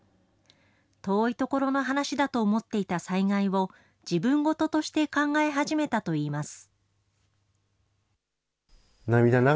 遠い所の話だと思っていた災害を、自分事として考え始めたといいます。